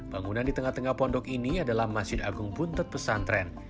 bangunan di tengah tengah pondok ini adalah masjid agung buntut pesantren